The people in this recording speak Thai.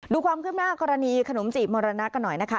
ความคืบหน้ากรณีขนมจีบมรณะกันหน่อยนะคะ